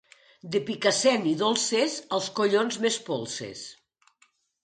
De Picassent i dolces, els collons m'espolses.